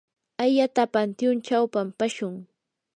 ayata pantyunchaw pampashun.